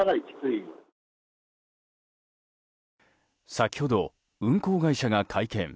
先ほど運航会社が会見。